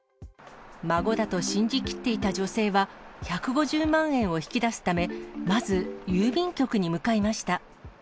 孫だと信じきっていた女性は、１５０万円を引き出すため、まず郵便局に向かいました。